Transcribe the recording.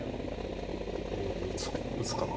うん打つかな。